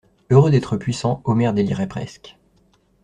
Heureux d'être puissant, Omer délirait presque.